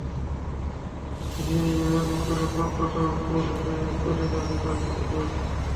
হেই, এভাবে মুখের উপর কথা বলে চলে যাবি না, অ্যালেক্স!